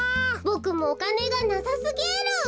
ボクもおかねがなさすぎる！